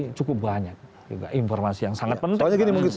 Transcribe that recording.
saya rasa banyak informasi yang sangat penting